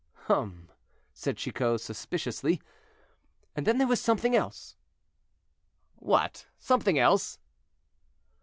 "Hum!" said Chicot, suspiciously, "and then there was something else." "What! something else?"